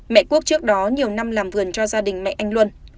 mẹ quốc trước đó nhiều năm làm vườn cho gia đình mẹ anh luân